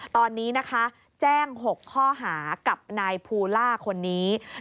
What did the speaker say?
ตอนนี้นะคะแจ้ง๖ข้อหากับนายภูล่าคนนี้